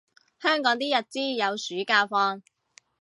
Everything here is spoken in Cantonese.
香港啲日資有暑假放